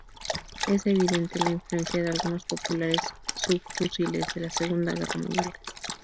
Es evidente la influencia de algunos populares subfusiles de la Segunda Guerra Mundial.